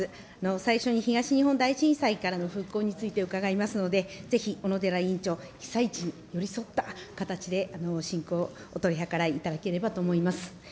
最初に東日本大震災の復興について伺いますので、ぜひ小野寺委員長、被災地に寄り添った形で進行をお取り計らいいただければと思います。